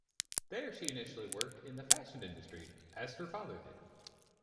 There she initially worked in the fashion industry, as her father did.